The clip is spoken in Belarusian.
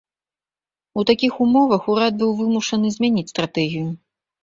У такіх умовах урад быў вымушаны змяніць стратэгію.